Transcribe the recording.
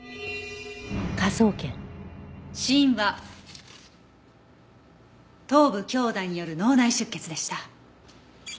死因は頭部強打による脳内出血でした。